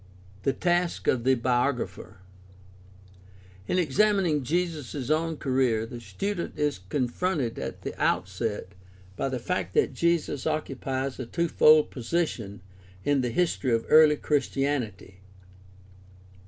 The task of the biographer. — In examining Jesus' own career the student is confronted at the outset by the fact that Jesus occupies a twofold position in the history of early Christianity.